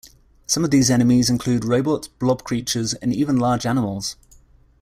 Some of these enemies include robots, blob creatures, and even large animals.